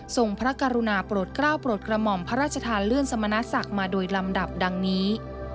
พระกรุณาโปรดกล้าวโปรดกระหม่อมพระราชทานเลื่อนสมณศักดิ์มาโดยลำดับดังนี้